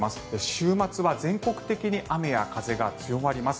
週末は全国的に雨や風が強まります。